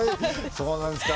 そうなんですか。